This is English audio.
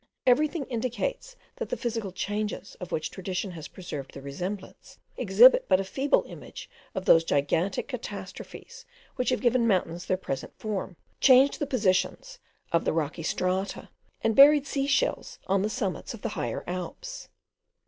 Every thing indicates that the physical changes of which tradition has preserved the remembrance, exhibit but a feeble image of those gigantic catastrophes which have given mountains their present form, changed the positions of the rocky strata, and buried sea shells on the summits of the higher Alps.